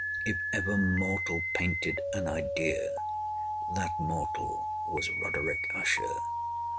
If ever mortal painted an idea, that mortal was Roderick Usher.